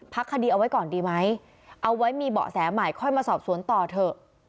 คดีเอาไว้ก่อนดีไหมเอาไว้มีเบาะแสใหม่ค่อยมาสอบสวนต่อเถอะ